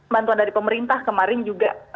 bantuan dari pemerintah kemarin juga